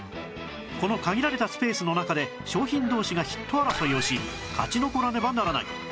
この限られたスペースの中で商品同士がヒット争いをし勝ち残らねばならない